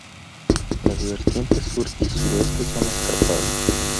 Las vertientes sur y suroeste son escarpadas.